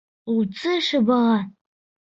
Лутсы шыбаға.